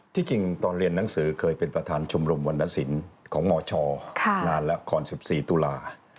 ที่จริงตอนเรียนนังสือเคยเป็นประธานชมรมวัณฑศิลป์ของงชนานแล้วคศ๑๔ตุลาคม